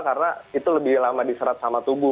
karena itu lebih lama diserat sama tubuh